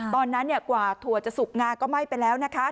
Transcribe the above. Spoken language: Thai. ตอนนั้นกว่าถั่วจะสุกงาก็ไม่ไปแล้วนะคะ